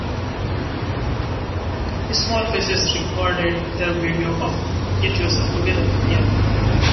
The Small Faces recorded their video of "Get Yourself Together" here.